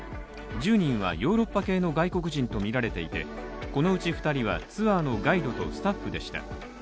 １０人はヨーロッパ系の外国人とみられていてこのうち２人はツアーのガイドとスタッフでした。